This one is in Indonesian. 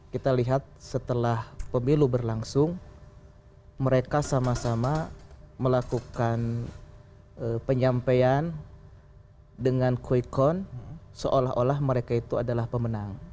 kita lihat setelah pemilu berlangsung mereka sama sama melakukan penyampaian dengan quick count seolah olah mereka itu adalah pemenang